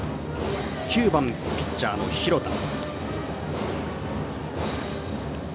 ９番、ピッチャーの廣田。